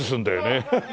ハハハ。